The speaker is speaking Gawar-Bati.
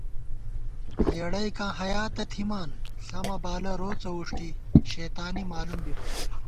لېڑَئیکاں حیا تہ تھِمان، ݪَمہ بالہ روڅہ ووݭٹی شیتانی مالُوم بِبہ